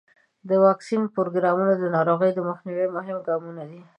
د واکسین پروګرامونه د ناروغیو د مخنیوي مهم ګامونه دي.